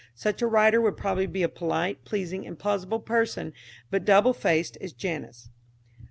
Such a writer would probably be a polite, pleasing and plausible person, but double faced as Janus.